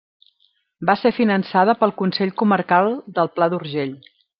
Va ser finançada pel Consell Comarcal del Pla d'Urgell.